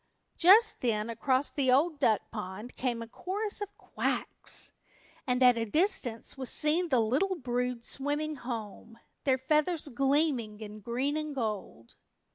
Just then across the Old Duck Pond came a chorus of quacks, and at a distance was seen the little brood swimming home, their feathers gleaming in green and gold.